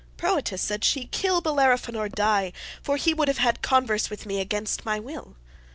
'Proetus,' said she, 'kill Bellerophon or die, for he would have had converse with me against my will.